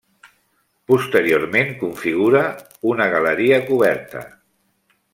Posteriorment configura una galeria coberta.